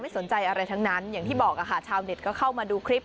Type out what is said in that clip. สนใจอะไรทั้งนั้นอย่างที่บอกค่ะชาวเน็ตก็เข้ามาดูคลิป